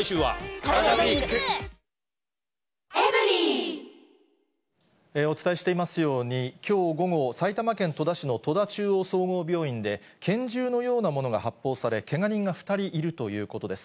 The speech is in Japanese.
三菱電機お伝えしていますように、きょう午後、埼玉県戸田市の戸田中央総合病院で、拳銃のようなものが発砲され、けが人が２人いるということです。